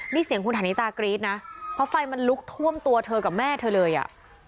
นี่เสียงคุณฐานิตากรี๊ดนะเพราะไฟมันลุกท่วมตัวเธอกับแม่เธอเลยอ่ะ